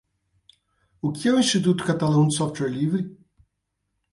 O que é o Instituto Catalão de Software Livre?